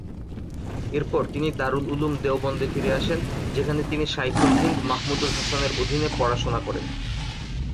এরপর তিনি দারুল উলূম দেওবন্দে ফিরে আসেন যেখানে তিনি শায়খুল হিন্দ মাহমুদুল হাসানের অধীনে পড়াশোনা করেন।